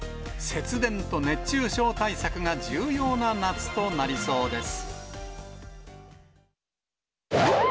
節電と熱中症対策が重要な夏となりそうです。